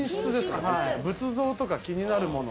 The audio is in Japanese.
仏像とか気になるもの